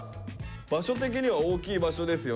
場所的には大きい場所ですよ。